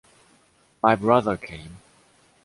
My brother came.